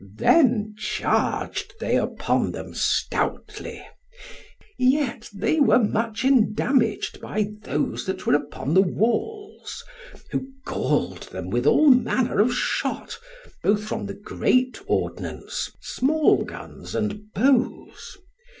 Then charged they upon them stoutly, yet were they much endamaged by those that were upon the walls, who galled them with all manner of shot, both from the great ordnance, small guns, and bows.